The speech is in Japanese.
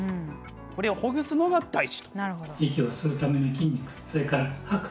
これをほぐすのが大事。